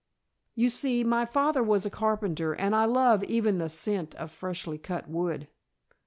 "You see, my father was a carpenter and I love even the scent of freshly cut wood."